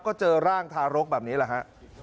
ก็เจอร่างทารกแบบนี้แหละฮะ